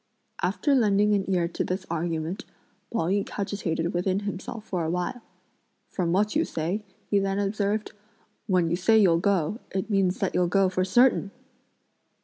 After lending an ear to this argument, Pao yü cogitated within himself for a while. "From what you say," he then observed, "when you say you'll go, it means that you'll go for certain!"